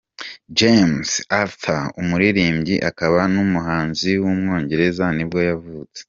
James Arthur, umuririmbyi akaba n’umuhanzi w’umwongereza nibwo yavutse.